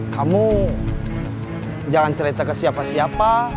kamu jangan cerita ke siapa siapa